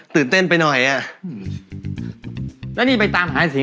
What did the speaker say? เมื่อกี้พ่อเนี่ยหัวทิ้งโป๊ะเข้าไปเลยเนี่ย